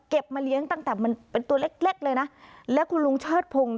มาเลี้ยงตั้งแต่มันเป็นตัวเล็กเล็กเลยนะและคุณลุงเชิดพงศ์